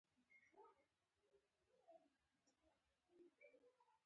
د سینیګال هېواد متل وایي رښتیا او دروغ موثر دي.